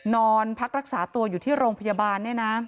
นอนพักรักษาตัวอยู่ที่โรงพยาบาลเนี่ยนะ